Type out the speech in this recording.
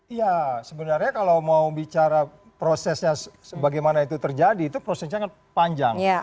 iya sebenarnya kalau mau bicara prosesnya bagaimana itu terjadi itu prosesnya kan panjang